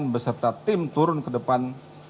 beserta tim turun ke depan